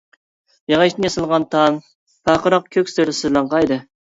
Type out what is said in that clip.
ياغاچتىن ياسالغان تام، پارقىراق كۆك سىردا سىرلانغان ئىدى.